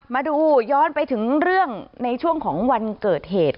มาดูย้อนไปถึงเรื่องในช่วงของวันเกิดเหตุ